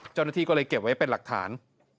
เจ้าหน้าที่ก็เลยเก็บไว้เป็นหลักฐาน